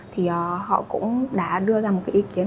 thì họ cũng đã đưa ra một cái ý kiến